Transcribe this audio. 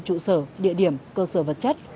trụ sở địa điểm cơ sở vật chất